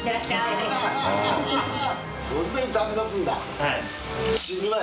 はい。